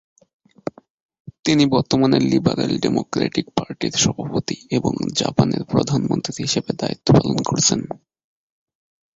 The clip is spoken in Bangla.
তিনি বর্তমানে লিবারেল ডেমোক্র্যাটিক পার্টির সভাপতি এবং জাপানের প্রধানমন্ত্রী হিসেবে দায়িত্ব পালন করছেন।